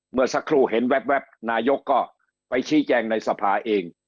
เมื่อสักครู่เห็นแว๊บนายกก็ไปชี้แจงในสภาเอง